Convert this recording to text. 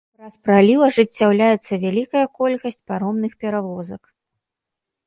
Праз праліў ажыццяўляецца вялікая колькасць паромных перавозак.